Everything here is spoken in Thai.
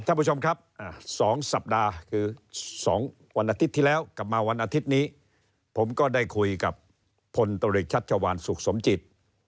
ท่านผู้ชมครับ๒สัปดาห์คือ๒วันอาทิตย์ที่แล้วกลับมาวันอาทิตย์นี้ผมก็ได้คุยกับพลตริกชัชวานสุขสมจิต